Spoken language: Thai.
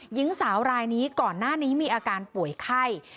หญิงสาวรายนี้ก่อนหน้านี้มีอาการป่วยไข้